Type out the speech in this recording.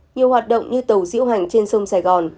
nhiều hoạt động như tàu diễu hành trên sông sài gòn